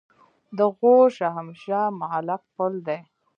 د غور شاهمشه معلق پل دی